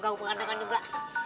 gagau pengantekan juga